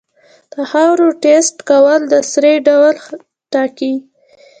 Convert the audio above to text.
د خاورې ټیسټ کول د سرې ډول ټاکي.